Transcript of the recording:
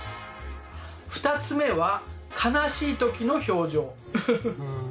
２つ目は悲しい時の表情。